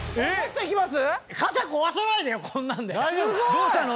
「どうしたの？」